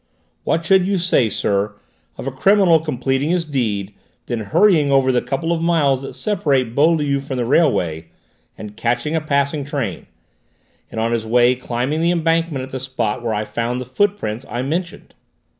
What should you say, sir, of a criminal completing his deed, then hurrying over the couple of miles that separate Beaulieu from the railway, and catching a passing train, and on his way climbing the embankment at the spot where I found the footprints I mentioned."